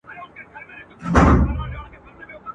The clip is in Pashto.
شپې په برخه سوې د غلو او د بمانو.